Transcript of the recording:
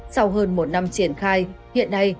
sau hơn một năm triển khai hiện nay